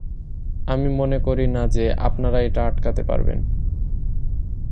আমি মনে করি না যে আপনারা এটি আটকাতে পারবেন।